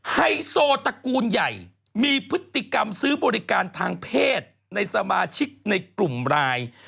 ไฮโซตระกูลใหญ่มีพฤติกรรมซื้อบริการทางเพศในสมาชิกในกลุ่มราย